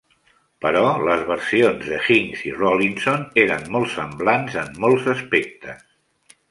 Però les versions de Hincks i Rawlinson eren molt semblants en molts aspectes.